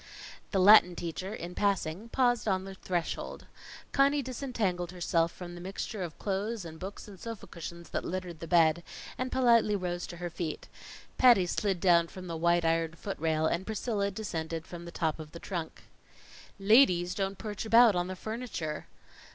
The Latin teacher, in passing, paused on the threshold. Conny disentangled herself from the mixture of clothes and books and sofa cushions that littered the bed, and politely rose to her feet. Patty slid down from the white iron foot rail, and Priscilla descended from the top of the trunk. "Ladies don't perch about on the furniture."